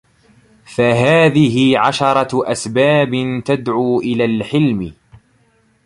فَهَذِهِ عَشْرَةُ أَسْبَابٍ تَدْعُو إلَى الْحِلْمِ